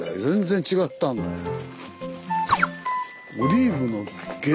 全然違ったんだよ。